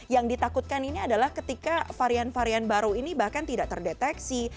yang ditakutkan ini adalah ketika varian varian baru ini bahkan tidak terdeteksi